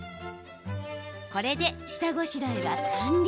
これで、下ごしらえは完了。